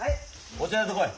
お茶いれてこい。